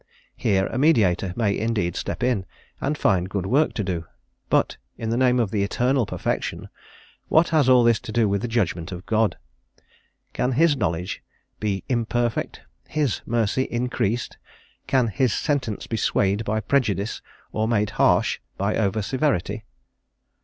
Here a mediator may indeed step in, and find good work to do; but, in the name of the Eternal Perfection, what has all this to do with the judgment of God? Can His knowledge be imperfect, His mercy increased? Can His sentence be swayed by prejudice, or made harsh by over severity?